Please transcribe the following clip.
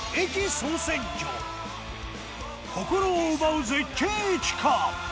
心を奪う絶景駅か？